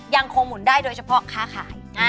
หมุนได้โดยเฉพาะค้าขาย